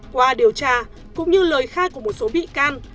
qua điều tra cũng như lời khai của một số bị can